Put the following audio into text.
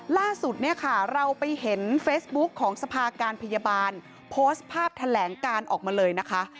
ล่าสุดเนี่ยค่ะเราไปเห็นเฟซบุ๊คของสภาการพยาบาลโพสต์ภาพแถลงการออกมาเลยนะคะ